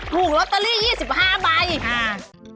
ถูกลอตเตอรี่๒๕ใบค่ะ